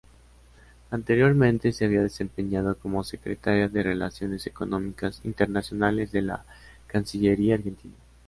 Anteriormente se había desempeñado como Secretaria de Relaciones Económicas Internacionales de la Cancillería Argentina.